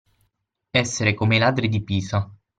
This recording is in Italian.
Essere come i ladri di Pisa.